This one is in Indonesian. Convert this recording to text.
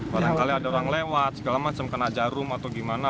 barangkali ada orang lewat segala macam kena jarum atau gimana